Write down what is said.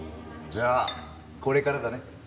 じゃあこれからだね。